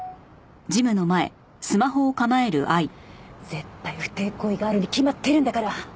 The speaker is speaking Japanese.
絶対不貞行為があるに決まってるんだから！